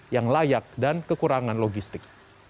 yang layak dan kekurangan logistik